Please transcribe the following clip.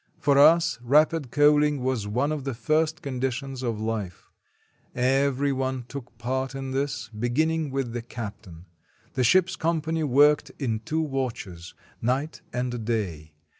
For us rapid coaling was one of the first conditions of life; every one took part in this, beginning with the cap tain; the ship's company worked in two watches, night and day.